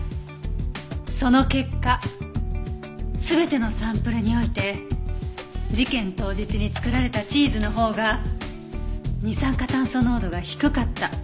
その結果全てのサンプルにおいて事件当日に作られたチーズのほうが二酸化炭素濃度が低かった。